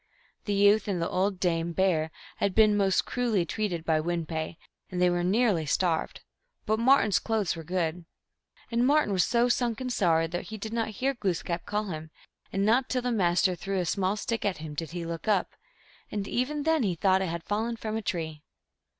The youth and the old Dame Bear had been most cruelly treated by Win pe, and they were nearly starved, but Martin s clothes were good. 1 And Martin was so sunk in sorrow that he did not hear Glooskap call him, and not till the Mas ter threw a small stick at him did he look up, and even then he thought it had fallen from a tree.